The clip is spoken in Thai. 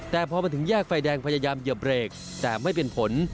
แต่พอมาถึงแยกไฟแดงพยายามเหยียบเบรกแต่ไม่เป็นผล